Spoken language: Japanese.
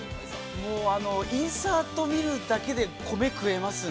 インサート見るだけで米、食えますね。